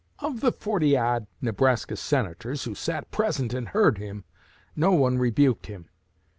Of the forty odd Nebraska Senators who sat present and heard him, no one rebuked him....